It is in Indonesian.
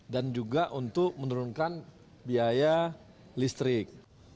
dan juga untuk menurunkan biaya listrik